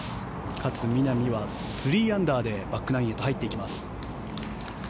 勝みなみは３アンダーでバックナインへ入っていきます。